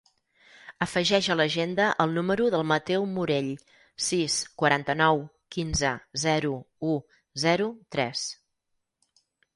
Afegeix a l'agenda el número del Mateo Morell: sis, quaranta-nou, quinze, zero, u, zero, tres.